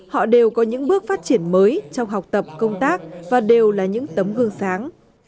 họ đều có những bước phát triển mới trong học tập công tác và đều là những tấm gương sáng